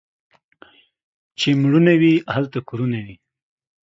چي مړونه وي ، هلته کورونه وي.